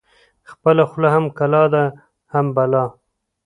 خپله خوله هم کلا ده، هم بلا